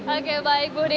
oke baik bu de